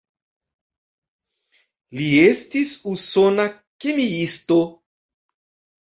Li estis usona kemiisto.